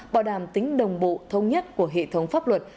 bảo đảm tính đồng bộ thông nhất của hệ thống pháp luật